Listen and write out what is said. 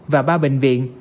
và ba bệnh viện